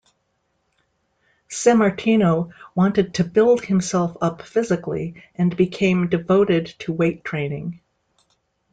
Sammartino wanted to build himself up physically and became devoted to weight training.